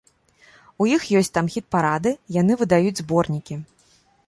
У іх ёсць там хіт-парады, яны выдаюць зборнікі.